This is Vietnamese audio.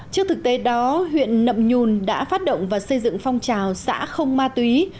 trước thực tế đó huyện nậm nhùn đã phát động và xây dựng phong trào xã không ma túy